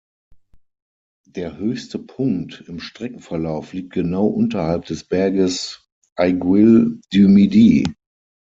Der höchste Punkt im Streckenverlauf liegt genau unterhalb des Berges Aiguille du Midi.